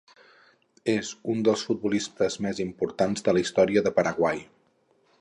És un dels futbolistes més importants de la història de Paraguai.